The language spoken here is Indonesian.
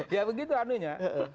ya begitu anehnya